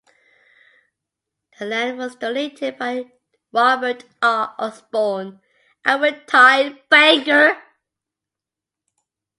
The land was donated by Robert R. Osborne, a retired banker.